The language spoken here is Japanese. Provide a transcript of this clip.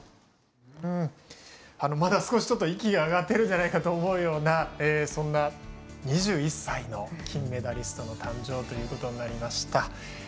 まだ少し息が上がってるんじゃないかなというようなそんな２１歳の金メダリストの誕生ということになりました。